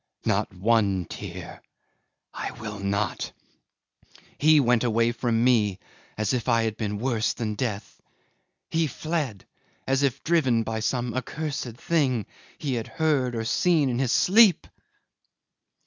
Not one tear. I will not! He went away from me as if I had been worse than death. He fled as if driven by some accursed thing he had heard or seen in his sleep.